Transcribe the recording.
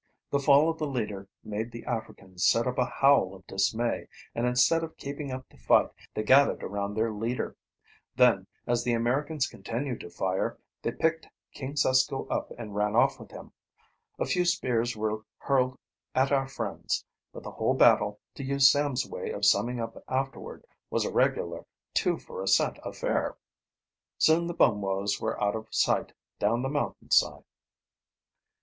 The fall of the leader made the Africans set up a howl of dismay, and instead of keeping up the fight they gathered around their leader. Then, as the Americans continued to fire, they picked King Susko up and ran off with him. A few spears were hurled at our friends, but the whole battle, to use Sam's way of summing up afterward, was a regular "two for a cent affair." Soon the Bumwos were out of sight down the mountain side.